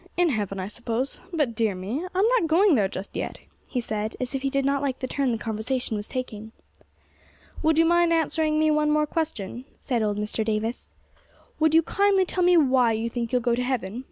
'In heaven, I suppose. But, dear me, I'm not going there just yet,' he said, as if he did not like the turn the conversation was taking. 'Would you mind answering me one more question?' said old Mr. Davis. 'Would you kindly tell me why you think you'll go to heaven?